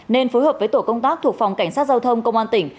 nên phối hợp với tổ công tác thuộc phòng cảnh sát giao thông công an tỉnh